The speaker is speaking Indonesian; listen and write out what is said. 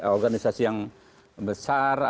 organisasi yang besar